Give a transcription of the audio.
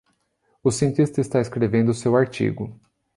O cientista está escrevendo seu artigo.